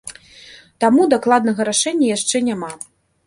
Таму дакладнага рашэння яшчэ няма.